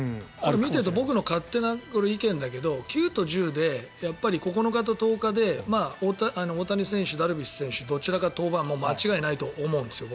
見ていて僕の勝手な意見だけど９日と１０日で大谷選手、ダルビッシュ選手どちらか登板は間違いないと思うんです。